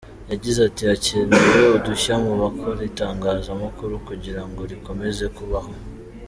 Yagize ati “ Hakenewe udushya mu bakora itangazamakuru kugira ngo rikomeze kubaho.